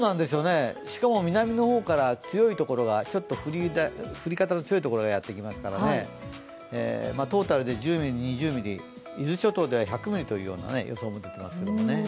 しかも南の方からちょっと降り方の強いところがやってきますからねトータルで１０ミリ、２０ミリ、伊豆諸島では１００ミリとなってますけどね。